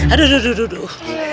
aduh aduh aduh